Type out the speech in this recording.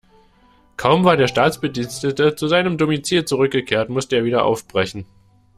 Kaum war der Staatsbedienstete zu seinem Domizil zurückgekehrt, musste er wieder aufbrechen.